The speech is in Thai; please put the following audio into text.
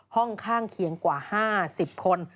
ห้องข้างเคียงกว่า๕๐คน